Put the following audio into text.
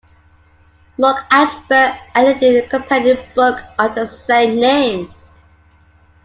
Mark Achbar edited a companion book of the same name.